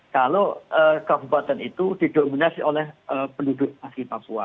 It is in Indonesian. kalau kabupaten itu didominasi oleh penduduk asli papua